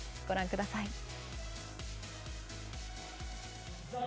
ご覧ください。